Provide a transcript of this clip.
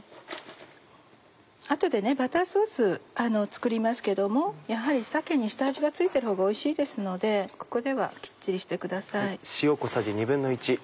後でバターソース作りますけどもやはり鮭に下味が付いてるほうがおいしいですのでここではきっちりしてください。